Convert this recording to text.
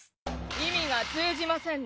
意味が通じませんね。